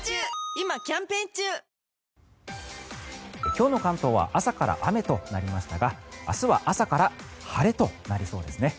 今日の関東は朝から雨となりましたが明日は朝から晴れとなりそうですね。